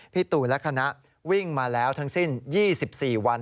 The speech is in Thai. พี่ตูนและคณะวิ่งมาแล้วทั้งสิ้น๒๔วัน